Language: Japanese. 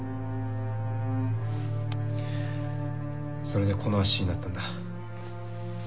それでこの足になったんだ。